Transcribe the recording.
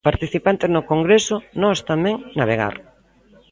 Participantes no congreso 'Nós tamén navegar'.